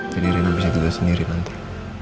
jadi rena bisa tidur sendiri nanti